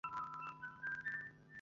কতো কষ্টে আছে আমার ছেলেটা।